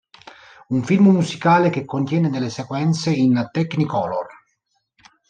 Un film musicale che contiene delle sequenze in technicolor.